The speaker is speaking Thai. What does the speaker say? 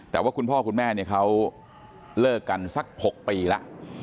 แต่ว่าคุณพ่อคุณแม่เนี่ยเขาเลิกกันสัก๖ปีแล้ว